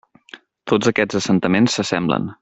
Tots aquests assentaments s'assemblen.